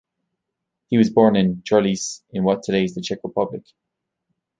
He was born in Chrlice in what today is the Czech Republic.